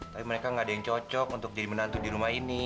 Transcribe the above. tapi mereka gak ada yang cocok untuk jadi menantu di rumah ini